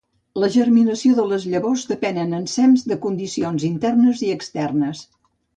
La germinació de les llavors depenen ensems de condicions internes i externes.